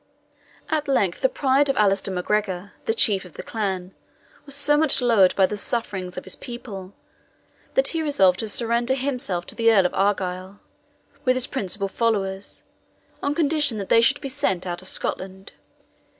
At length the pride of Allaster MacGregor, the chief of the clan, was so much lowered by the sufferings of his people, that he resolved to surrender himself to the Earl of Argyle, with his principal followers, on condition that they should be sent out of Scotland.